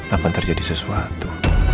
akan terjadi sesuatu